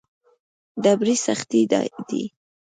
ډبرې سختې دي.